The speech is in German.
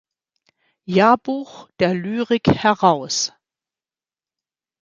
Jahrbuch der Lyrik heraus.